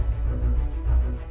để bán phôi